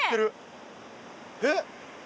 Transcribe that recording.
えっ？